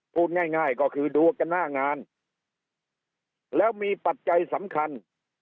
พูดง่ายง่ายก็คือดูกันหน้างานแล้วมีปัจจัยสำคัญ